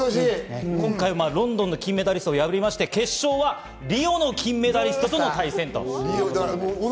今回、ロンドンのキンメダリストを破りまして決勝はリオの金メダリストとの対戦。